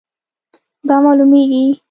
دا معلومیږي